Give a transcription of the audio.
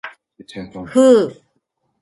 ふう。